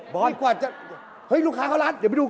บอสจะเฮ้ยลูกค้าเข้าล้านเดี๋ยวไปดู